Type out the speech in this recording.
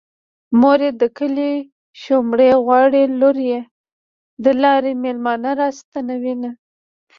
مور يې د کلي شومړې غواړي لور يې د لارې مېلمانه راستنوينه